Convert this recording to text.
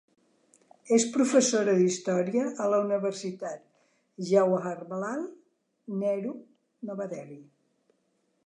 És professora d'Història a la Universitat Jawaharlal Nehru, Nova Delhi.